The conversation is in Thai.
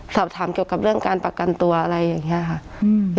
สอบถามเกี่ยวกับเรื่องการประกันตัวอะไรอย่างนี้ค่ะ